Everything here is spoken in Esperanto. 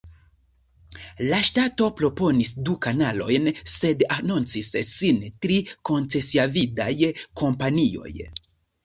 La ŝtato proponis du kanalojn sed anoncis sin tri koncesiavidaj kompanioj.